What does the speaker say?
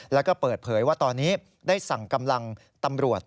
แล้วก็เปิดเผยว่าตอนนี้ได้สั่งกำลังตำรวจ